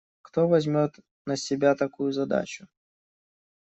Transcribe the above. Кто возьмет на себя такую задачу?